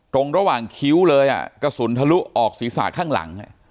ตรงระหว่างคิ้วเลยกระสุนทะลุออกศีรษะข้างหลัง